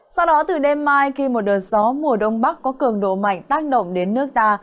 sau đó từ đêm mai khi một đợt gió mùa đông bắc có cường độ mạnh tác động đến nước ta